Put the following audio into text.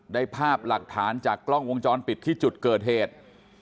ได้ภาพหลักฐานจากกล้องวงจรปิดที่จุดเกิดเหตุ